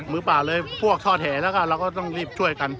มื้อปากเลยพวกช่วยแถนะคะเราก็ต้องรีบช่วยกัน